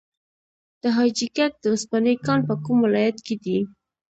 د حاجي ګک د وسپنې کان په کوم ولایت کې دی؟